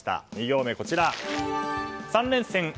２行目「三連戦」